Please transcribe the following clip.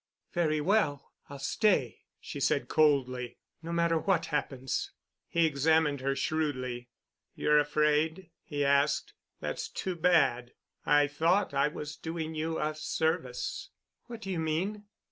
"Very well—I'll stay," she said coldly, "no matter what happens." He examined her shrewdly. "You're afraid?" he asked. "That's too bad. I thought I was doing you a service." "What do you mean?"